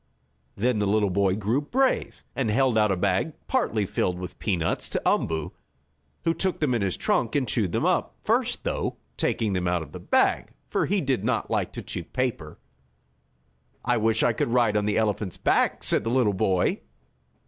Then the little boy grew brave, and held out a bag, partly filled with peanuts, to Umboo, who took them in his trunk, and chewed them up, first, though, taking them out of the bag, for he did not like to chew paper. "I wish I could ride on the elephant's back!" said the little boy.